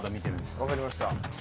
分かりました。